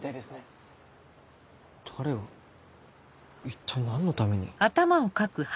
一体何のために？